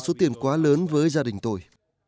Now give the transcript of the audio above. đó là số tiền quá lớn với gia đình tôi